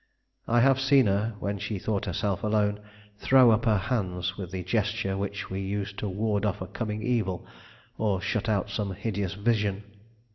I have seen her, when she thought herself alone, throw up her hands with the gesture which we use to ward off a coming evil or shut out some hideous vision.